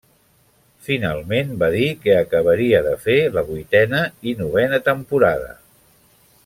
Finalment va dir que acabaria de fer la vuitena i novena temporada.